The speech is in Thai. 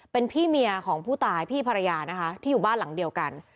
เป็นพี่เมียของผู้ตายพี่ภรรยานะคะที่อยู่บ้านหลังเดียวกัน